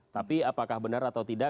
tapi apakah benar atau tidak